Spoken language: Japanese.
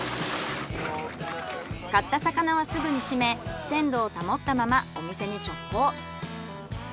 買った魚はすぐに締め鮮度を保ったままお店に直行。